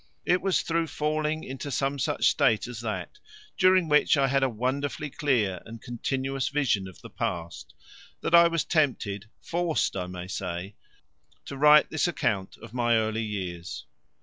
It was through falling into some such state as that, during which I had a wonderfully clear and continuous vision of the past, that I was tempted forced I may say to write this account of my early years.